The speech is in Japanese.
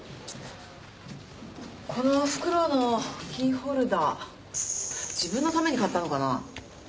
このフクロウのキーホルダー自分のために買ったのかな？